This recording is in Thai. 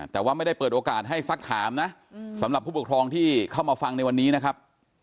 แต่ว่าไม่ได้เปิดโอกาสให้สักถามนะสำหรับผู้ปกครองที่เข้ามาฟังในวันนี้นะครับ